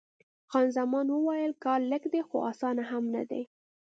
خان زمان وویل: کار لږ دی، خو اسان هم نه دی.